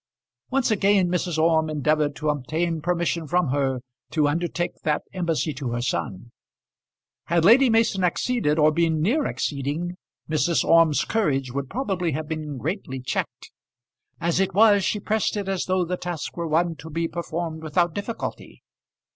Once again Mrs. Orme endeavoured to obtain permission from her to undertake that embassy to her son. Had Lady Mason acceded, or been near acceding, Mrs. Orme's courage would probably have been greatly checked. As it was she pressed it as though the task were one to be performed without difficulty.